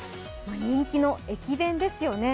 人気の駅弁ですよね。